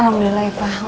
alhamdulillah ya pak